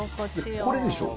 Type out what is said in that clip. これでしょ？